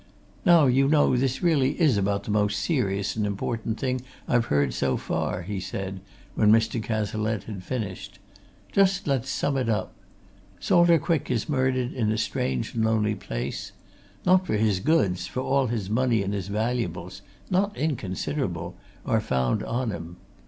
"Now, you know, this is really about the most serious and important thing I've heard, so far," he said, when Mr. Cazalette had finished. "Just let's sum it up. Salter Quick is murdered in a strange and lonely place. Not for his goods, for all his money and his valuables not inconsiderable are found on him.